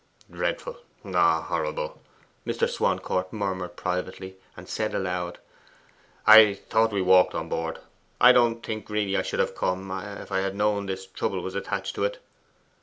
'Dreadful! horrible!' Mr. Swancourt murmured privately; and said aloud, I thought we walked on board. I don't think really I should have come, if I had known this trouble was attached to it.